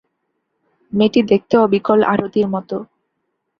মেয়েটি দেখতে অবিকল আরতির মতো।